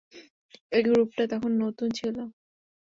এই গ্রুপটা তখন নতুন ছিল।